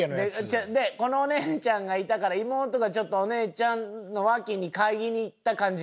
このお姉ちゃんがいたから妹がちょっとお姉ちゃんのわきに嗅ぎにいった感じ。